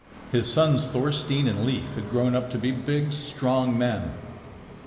His sons Thorstein and Leif had grown up to be big, strong men.